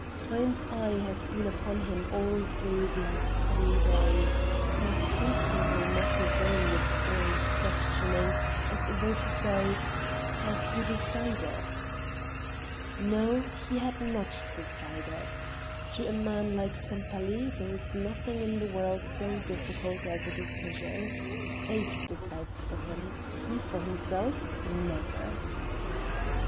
Truyn's eye has been upon him all through these three days, has constantly met his own with grave questioning, as though to say: "Have you decided?" No, he had not decided. To a man like Sempaly there is nothing in the world so difficult as a decision; fate decides for him he for himself! Never.